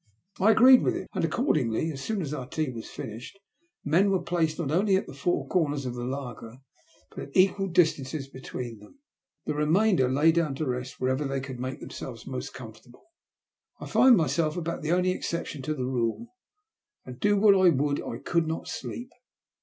I agreed with him ; and, accordingly, as soon as our tea was finished, men were placed not only at the four comers of the laager, but at equal distances between them. The remainder lay down to rest wherever they could make themselves most comfortable. I found my self about the only exception to the rule ; and, do what I would, I could not sleep.